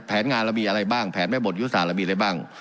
แผนงานเรามีอะไรบ้างแผนแม่บทยุทธศาสตเรามีอะไรบ้าง